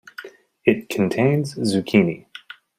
It contains Zucchini.